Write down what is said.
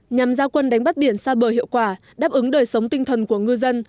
nhằm giao quân đánh bắt biển xa bờ hiệu quả đáp ứng đời sống tinh thần của ngư dân